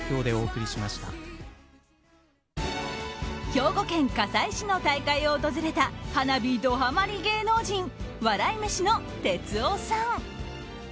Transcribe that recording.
兵庫県加西市の大会を訪れた花火ドはまり芸能人笑い飯の哲夫さん。